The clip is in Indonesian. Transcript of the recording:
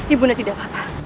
ibu tidak apa apa